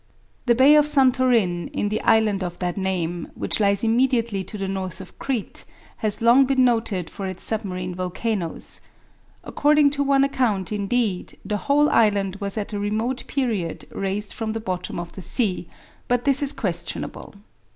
The Bay of Santorin, in the island of that name, which lies immediately to the north of Crete, has long been noted for its submarine volcanoes. According to one account, indeed, the whole island was at a remote period raised from the bottom of the sea; but this is questionable.